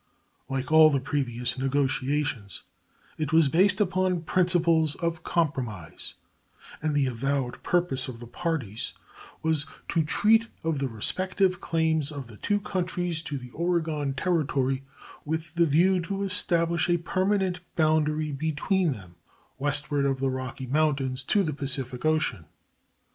Like all the previous negotiations, it was based upon principles of "compromise," and the avowed purpose of the parties was "to treat of the respective claims of the two countries to the Oregon Territory with the view to establish a permanent boundary between them westward of the Rocky Mountains to the Pacific Ocean."